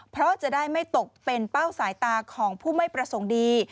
เพราะจะได้ไม่ตกเป็นเป้าสายตาของผู้ไม่ประสงค์ดี